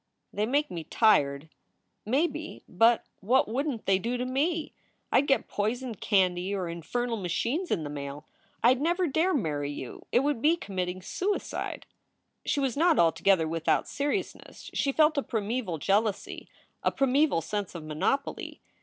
"They make me tired." "Maybe, but what wouldn t they do to me? I d get poisoned candy or infernal machines in the mail. I d never dare marry you. It would be committing suicide." She was not altogether without seriousness; she felt a primeval jealousy, a primeval sense of monopoly.